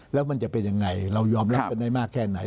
แล้วมันจะเป็นยังไงเรายอมรับกันได้มากแค่ไหน